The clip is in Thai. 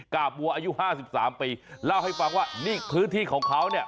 กาบบัวอายุ๕๓ปีเล่าให้ฟังว่านี่พื้นที่ของเขาเนี่ย